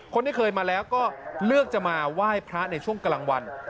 คนที่เคยมาแล้วก็เลือกจะมาไหว้พระในช่วงกลางวัน